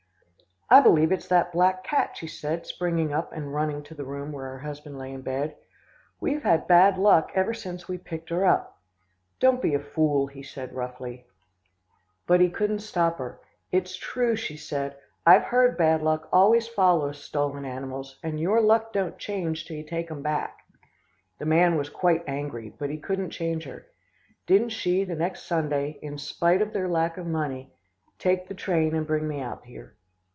"'I believe it's that black cat,' she said, springing up and running to the room where her husband lay in bed. 'We've had bad luck ever since we picked her up.' "'Don't be a fool,' he said roughly. "But he couldn't stop her. 'It's true,' she said, 'I've heard bad luck always follows stolen animals, and your luck don't change till you take 'em back.' "The man was quite angry, but he couldn't change her. Didn't she, the next Sunday, in spite of their lack of money, take the train and bring me out here.